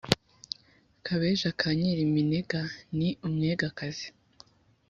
Kabeja ka Nyiriminega ni umwegakazi